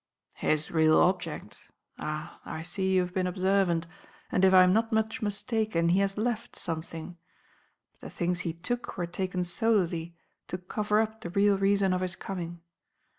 "His real object! Ah, I see you have been observant, and if I am not much mistaken he has left something; but the things he took were taken solely to cover up the real reason of his coming.